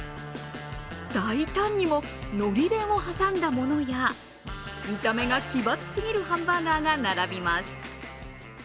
大胆にも、のり弁を挟んだものや見た目が奇抜すぎるハンバーガーが並びます。